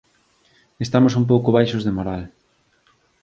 Estamos un pouco baixos de moral.